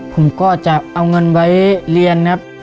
ผมก็จะเอาเงินไว้เรียนครับ